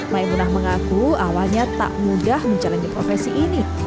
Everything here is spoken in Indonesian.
maimunah mengaku awalnya tak mudah menjalani profesi ini